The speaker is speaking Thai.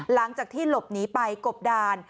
หลังจากที่หลบหนีไปกบดาน